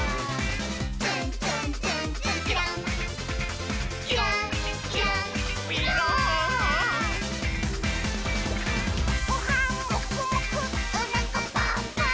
「ツンツンツンツン」「キランキランキランびろん」「ごはんモグモグ」「おなかパンパン」